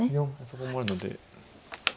そこもあるので。